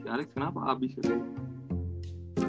alex kenapa abis itu